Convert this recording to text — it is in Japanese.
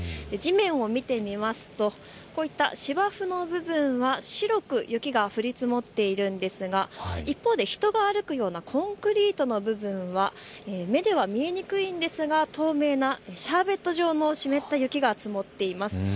地面を見てみますとこういった芝生の部分は白く雪が降り積もっているんですが一方で人が歩くようなコンクリートの部分は目では見えにくいんですが透明なシャーベット状の湿った雪が積もっています。